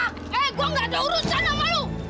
eh gue nggak ada urusan sama lu